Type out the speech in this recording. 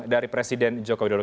dari presiden joko widodo